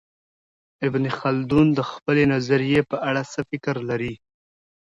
ابن خلدون د خپلې نظریې په اړه څه فکر لري؟